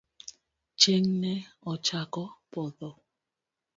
Chieng' ne ochako podho.